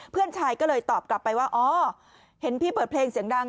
เพื่อนชายก็เลยตอบกลับไปว่าอ๋อเห็นพี่เปิดเพลงเสียงดัง